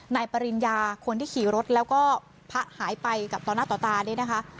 นายปริญญาคนที่ขี่รถแล้วก็พระหายไปกับต่อหน้าต่อตาเนี่ยนะคะ